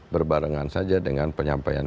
berbarengan saja dengan penyampaian